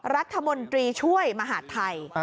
รัฐมนตรีช่วยมหาดไทย